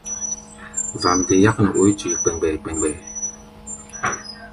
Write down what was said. Vamde yák nɛ oí tui kpɛɛmgbɛɛ-kpɛɛmgbɛɛ.